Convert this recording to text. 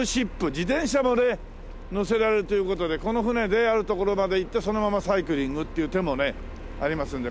自転車もね載せられるという事でこの船である所まで行ってそのままサイクリングっていう手もねありますんで。